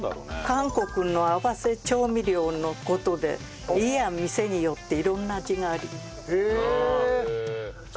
韓国の合わせ調味料の事で家や店によって色んな味があります。